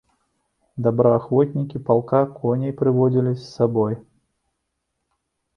Добраахвотнікі палка коней прыводзілі з сабой.